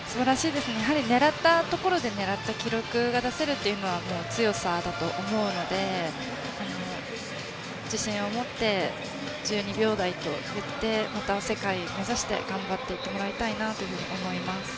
やはり狙ったところで狙った記録が出せるというのは強さだと思うので自信を持って１２秒台と言ってまた世界を目指して頑張ってもらいたいと思います。